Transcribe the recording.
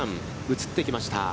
映ってきました。